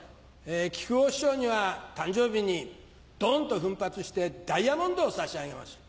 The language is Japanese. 木久扇師匠には誕生日にどんと奮発してダイヤモンドを差し上げましょう。